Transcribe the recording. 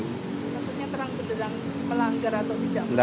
maksudnya terang benderang melanggar atau tidak melanggar